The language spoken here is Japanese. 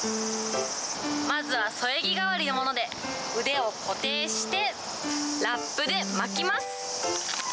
まずは添え木代わりのもので、腕を固定して、ラップで巻きます。